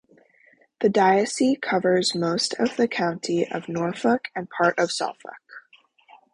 The diocese covers most of the county of Norfolk and part of Suffolk.